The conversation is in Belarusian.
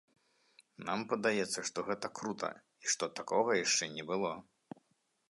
Нам падаецца, што гэта крута, і што такога яшчэ не было.